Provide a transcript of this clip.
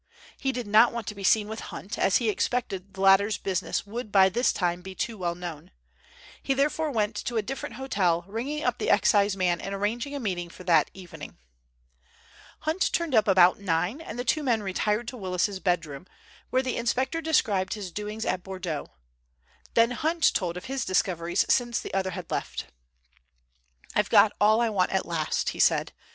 He did not want to be seen with Hunt, as he expected the latter's business would by this time be too well known. He therefore went to a different hotel, ringing up the Excise man and arranging a meeting for that evening. Hunt turned up about nine, and the two men retired to Willis's bedroom, where the inspector described his doings at Bordeaux. Then Hunt told of his discoveries since the other had left. "I've got all I want at last," he said.